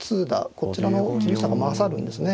こちらの厳しさが勝るんですね。